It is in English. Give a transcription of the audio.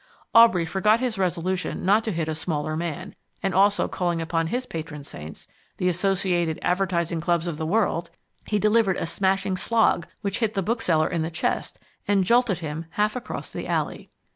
Aubrey forgot his resolution not to hit a smaller man, and also calling upon his patron saints the Associated Advertising Clubs of the World he delivered a smashing slog which hit the bookseller in the chest and jolted him half across the alley.